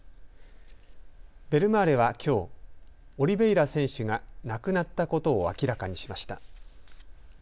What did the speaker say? ベルマーレはきょうオリベイラ選手が亡くなったことを明らかにしました。